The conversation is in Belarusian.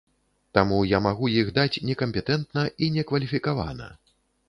Таму я магу іх даць некампетэнтна і некваліфікавана.